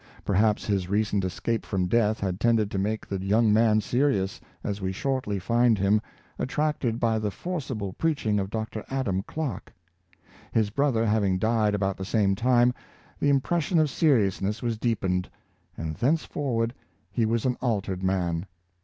Per haps his recent escape from death had tended to make the young man serious, as we shortly find him, attracted by the forcible preaching of Dr. Adam Clarke. His brother having died about the same time, the impres sion of seriousness was deepened; and thenceforward he was an altered man.